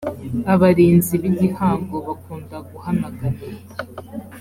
abarinzi b’ igihango bakunda guhanagana.